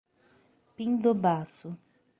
Pindobaçu